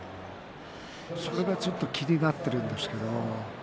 それがちょっと気になっているんですけどね。